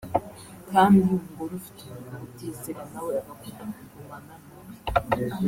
Kandi umugore ufite umugabo utizera na we agakunda kugumana na we